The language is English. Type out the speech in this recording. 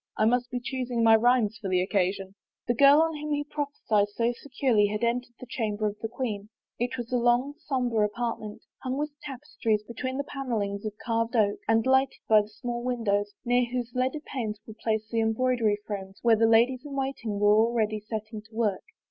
I must be choosing my rhymes for the occasion." The girl of whom he prophesied so securely had en tered the chamber of the queen. It was a long, somber apartment, hung with tapestries between the panelings of carved oak, and lighted by small windows, near whose leaded panes were placed the embroidery frames where the ladies in waiting were already setting to work.